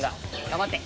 頑張って。